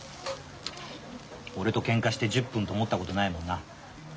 俺とけんかして１０分ともったことないもんな。